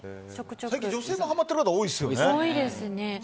最近、女性でハマっている方多いですね。